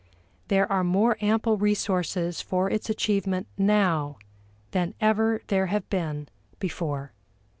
There are more ample resources for its achievement now than ever there have been before.